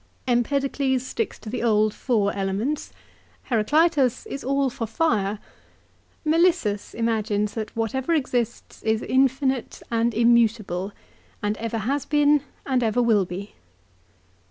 Empedocles sticks to the old four elements. Heraclitus is all for fire. Melissus imagines that whatever exists is infinite and immutable, and ever has been and ever will be.